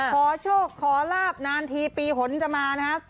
ขอโชคขอลาบนานทีปีหนจะมานะครับ